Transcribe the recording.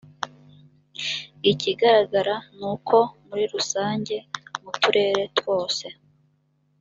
ikigaragara ni uko muri rusange mu turere twose